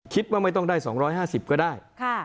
คิดว่าไม่ต้องได้๒๕๐ก็ได้